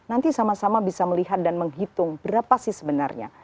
nanti sama sama bisa melihat dan menghitung berapa sih sebenarnya